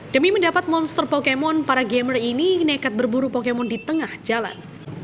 demi mendapat monster pokemon para gamer ini nekat berburu pokemon di tengah jalan